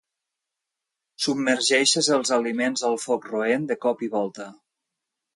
Submergeixes els aliments al foc roent, de cop i volta.